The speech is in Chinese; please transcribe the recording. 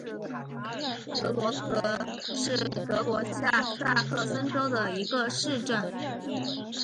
万格罗格是德国下萨克森州的一个市镇。